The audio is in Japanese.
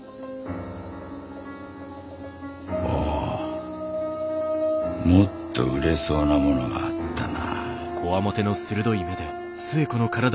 おおもっと売れそうなものがあったな。